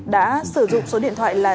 đã sử dụng số điện thoại là